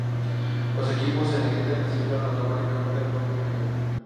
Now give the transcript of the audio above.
Los equipos en negrita clasificaron automáticamente a octavos de final.